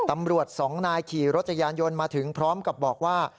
ตำรวจสองนายขี่รถจักรยานยนต์มาถึงพร้อมกับบอกว่า